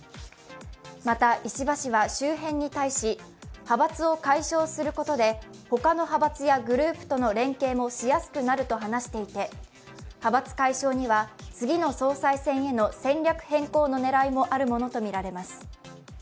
また、石破氏は周辺に対し、派閥を解消することで他の派閥やグループとの連携もしやすくなると話していて派閥解消には次の総裁選への戦略変更の狙いもあるものとみられます。